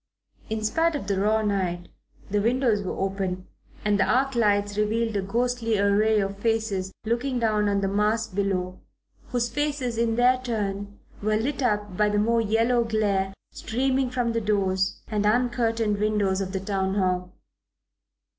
In spite of the raw night the windows were open and the arc lights revealed a ghostly array of faces looking down on the mass below, whose faces in their turn were lit up by the more yellow glare streaming from the doors and uncurtained windows of the Town Hall.